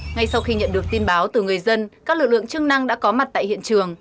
ngay sau khi nhận được tin báo từ người dân các lực lượng chức năng đã có mặt tại hiện trường